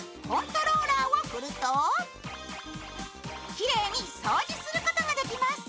きれいに掃除することができます。